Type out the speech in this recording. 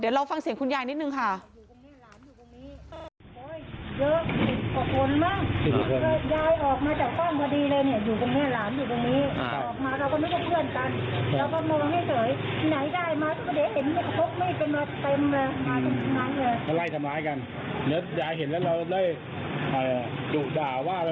เดี๋ยวลองฟังเสียงคุณยายนิดนึงค่ะ